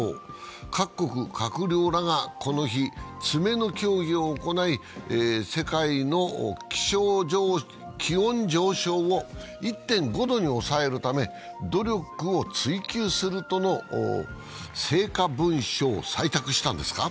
各国の閣僚らがこの日、詰めの協議を行い世界の気温上昇を１．５度に抑えるため努力を追求するとの成果文書を採択したんですか。